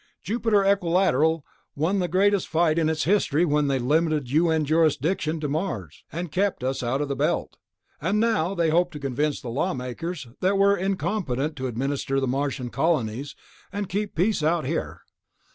Jupiter Equilateral won the greatest fight in its history when they limited U.N. jurisdiction to Mars, and kept us out of the Belt. And now they hope to convince the lawmakers that we're incompetent to administer the Martian colonies and keep peace out here.